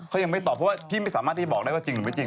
เขายังไม่ตอบเพราะว่าพี่ไม่สามารถที่บอกได้ว่าจริงหรือไม่จริง